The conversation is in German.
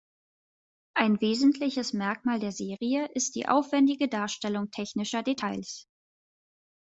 Ein wesentliches Merkmal der Serie ist die aufwändige Darstellung technischer Details.